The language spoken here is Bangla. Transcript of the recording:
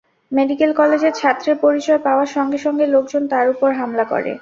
মেডিকেল কলেজের ছাত্রের পরিচয় পাওয়ার সঙ্গে সঙ্গে লোকজন তাঁর ওপর হামলা করে।